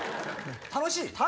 楽しい？